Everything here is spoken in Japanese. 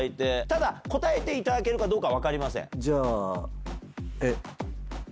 ただ答えていただけるかどうか分かりません。